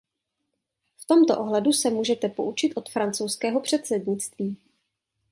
V tomto ohledu se můžete poučit od francouzského předsednictví.